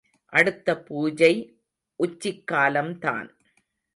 அடுத்த பூஜை உச்சிக் காலம்தான்.